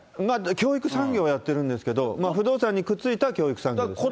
教育産業はやってるんですけど、不動産にくっついた教育産業ですね。